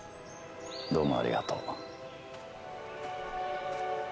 ・どうもありがとう。